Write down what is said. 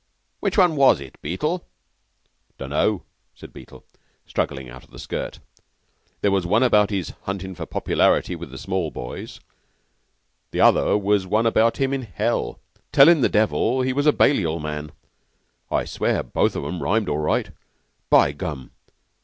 "Which one was it, Beetle?" "Dunno," said Beetle, struggling out of the skirt. "There was one about his hunting for popularity with the small boys, and the other one was one about him in hell, tellin' the Devil he was a Balliol man. I swear both of 'em rhymed all right. By gum!